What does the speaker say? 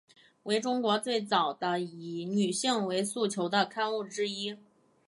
为中国最早的以女性为诉求的刊物之一。